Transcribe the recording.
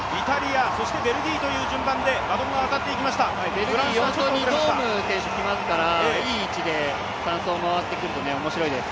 ベルギー４走、ドーム選手なので、いい位置で３走回ってくると面白いです。